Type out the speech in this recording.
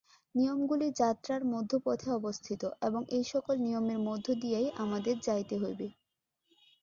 নিয়মগুলি যাত্রার মধ্যপথে অবস্থিত, এবং এই-সকল নিয়মের মধ্য দিয়াই আমাদের যাইতে হইবে।